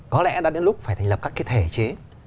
có lẽ đã đến lúc phải thành lập các cái thể chế